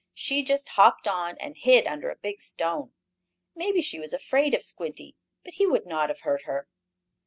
She just hopped on, and hid under a big stone. Maybe she was afraid of Squinty, but he would not have hurt her.